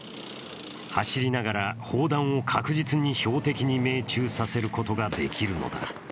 走りながら砲弾を確実に標的に命中させることができるのだ。